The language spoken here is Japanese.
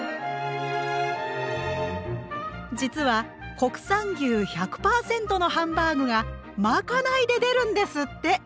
実は国産牛１００％のハンバーグがまかないで出るんですって！